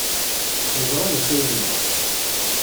Neẓra d acu ay nebɣa.